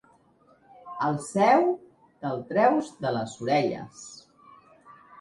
El seu te'l treus de les orelles.